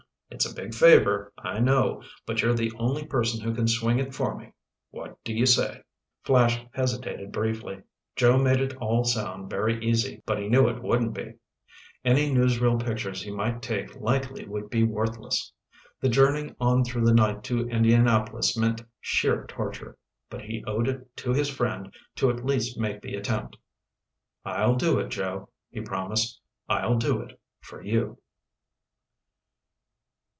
It's a big favor, I know, but you're the only person who can swing it for me. What do you say?" Flash hesitated briefly. Joe made it all sound very easy, but he knew it wouldn't be. Any newsreel pictures he might take likely would be worthless. The journey on through the night to Indianapolis meant sheer torture. But he owed it to his friend to at least make the attempt. "I'll do it, Joe," he promised. "I'll do it for you."